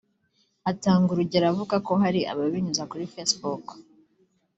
Atanga urugero avuga ko hari ababinyuza kuri Facebook